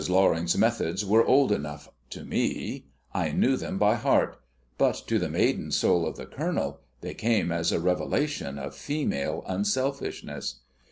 Loring's methods were old enough to me I knew them by heart; but to the maiden soul of the Colonel they came as a revelation of female unselfishness.